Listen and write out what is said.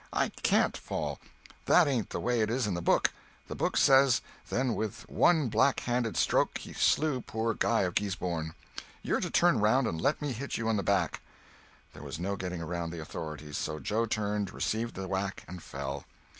I can't fall; that ain't the way it is in the book. The book says, 'Then with one back handed stroke he slew poor Guy of Guisborne.' You're to turn around and let me hit you in the back." There was no getting around the authorities, so Joe turned, received the whack and fell.